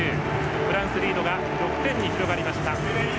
フランス、リードが６点に広がりました。